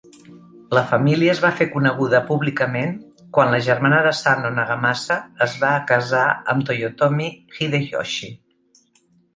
La família es va fer coneguda públicament quan la germana d'Asano Nagamasa es va casar amb Toyotomi Hideyoshi.